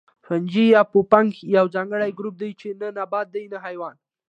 فنجي یا پوپنک یو ځانګړی ګروپ دی چې نه نبات دی نه حیوان